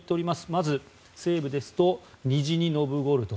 まず西部ですとニジニ・ノブゴルド。